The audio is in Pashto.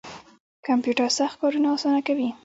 کمپیوټر سخت کارونه اسانه کوي